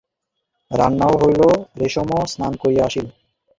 রান্নাও হইল, রমেশও স্নান করিয়া আসিল।